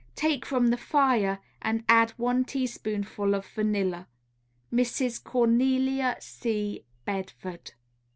Take from the fire and add one teaspoonful of vanilla. _Mrs. Cornelia C. Bedford.